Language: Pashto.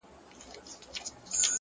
پوهه د غوره راتلونکي رڼا ده!.